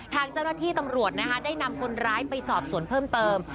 ทางเจ้าหน้าที่ตำรวจนะคะได้นำคนร้ายไปสอบสวนเพิ่มเติม